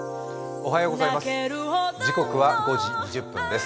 おはようございます。